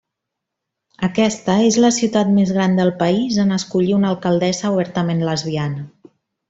Aquesta és la ciutat més gran del país en escollir una alcaldessa obertament lesbiana.